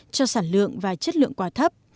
cho sản lượng và chất lượng quá thấp